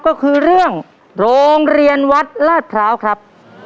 ก็คือเรื่องโรงเรียนวัดลาดพร้าวครับ